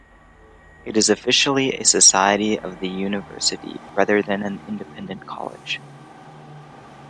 It is officially a society of the university rather than an independent college.